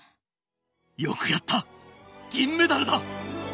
よくやった銀メダルだ。